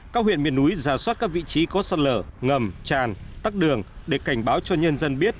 các huyện miền núi ra soát các vị trí có săn lở ngầm tràn tắt đường để cảnh báo cho nhân dân biết